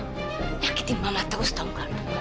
nyakitin mama terus tahu nggak